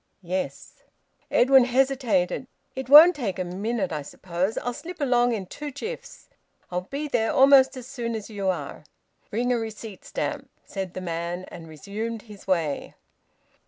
"Yes." Edwin hesitated. "It won't take a minute, I suppose. I'll slip along in two jiffs. I'll be there almost as soon as you are." "Bring a receipt stamp," said the man, and resumed his way.